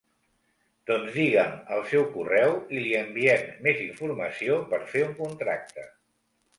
Doncs diguem el seu correu i li enviem més informació per fer un contracte.